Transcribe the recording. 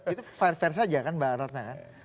itu fair fair saja kan mbak ratna kan